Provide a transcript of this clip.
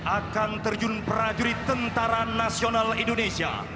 akan terjun prajurit tentara nasional indonesia